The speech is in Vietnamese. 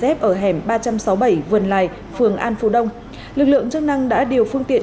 tại xưởng làm dây dép ở hẻm ba trăm sáu mươi bảy vườn lài phường an phú đông lực lượng chức năng đã điều phương tiện